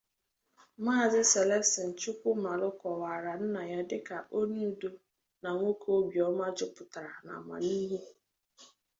Maazị Celestine Chukwumalu kọwàrà nna ya dịka onye udo na nwoke obiọma jupụtara n'amamihe.